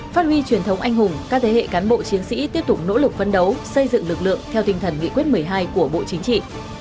phát huy truyền thống anh hùng các thế hệ cán bộ chiến sĩ tiếp tục nỗ lực phân đấu xây dựng lực lượng theo tinh thần nghị quyết một mươi hai của bộ chính trị